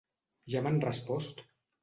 Ja m'han respost!